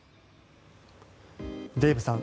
デーブさん